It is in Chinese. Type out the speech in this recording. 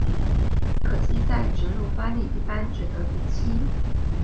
可惜在直路发力一般只得第七。